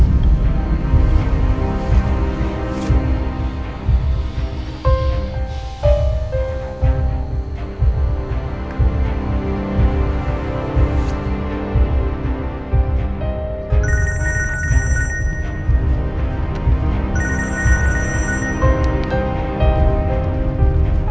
tidak ada yang bisa diberitakan